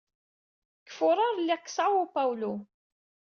Deg Fuṛaṛ, lliɣ deg Sao Paulo.